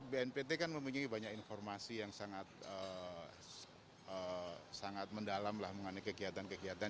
bnpt kan memiliki banyak informasi yang sangat mendalam mengenai kegiatan kegiatan